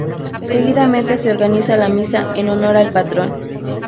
Seguidamente se organiza la misa en honor al Patrón.